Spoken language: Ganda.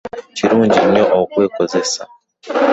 Kirungi nnyo okwekozesa.